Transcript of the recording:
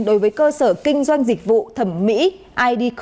đối với cơ sở kinh doanh dịch vụ thẩm mỹ idk